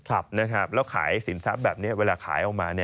แล้วขายสินทรัพย์แบบนี้เวลาขายออกมา